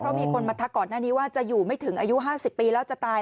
เพราะมีคนมาทักก่อนหน้านี้ว่าจะอยู่ไม่ถึงอายุ๕๐ปีแล้วจะตาย